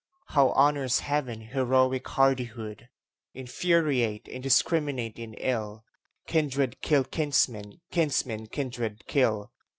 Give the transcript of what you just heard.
How honors Heaven heroic hardihood! Infuriate, indiscrminate in ill, Kindred kill kinsmen, kinsmen kindred kill.